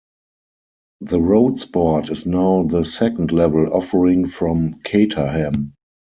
The Roadsport is now the second-level offering from Caterham.